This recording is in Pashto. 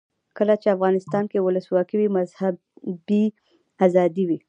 کله چې افغانستان کې ولسواکي وي مذهبي آزادي وي.